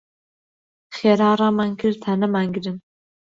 خێرا ڕامان کرد تا نەمانگرن.